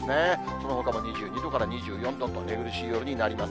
そのほかも２２度から２４度と、寝苦しい夜になります。